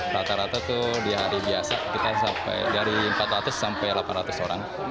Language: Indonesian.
rata rata tuh di hari biasa kita sampai dari empat ratus sampai delapan ratus orang